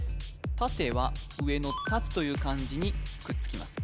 縦は上の「立」という漢字にくっつきます